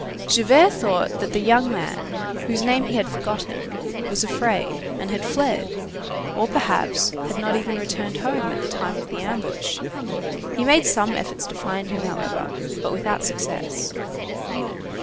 Javert thought that the young man, whose name he had forgotten, was afraid, and had fled, or perhaps, had not even returned home at the time of the ambush; he made some efforts to find him, however, but without success.